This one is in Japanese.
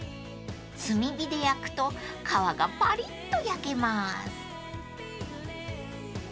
［炭火で焼くと皮がパリッと焼けます］